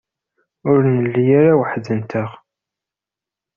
Ur nelli ara weḥd-nteɣ.